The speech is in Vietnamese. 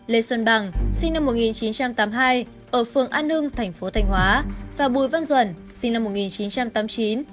lê xuân bằng và bùi văn duẩn